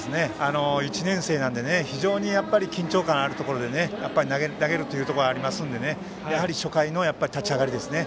１年生なので非常に緊張感のあるところで投げるということがありますのでやはり初回の立ち上がりですね。